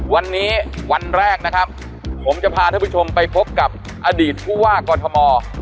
วันนี้วันแรกนะครับผมจะพาท่านผู้ชมไปพบกับอดีตผู้ว่ากอทม